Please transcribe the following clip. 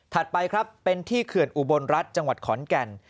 ไปครับเป็นที่เขื่อนอุบลรัฐจังหวัดขอนแก่น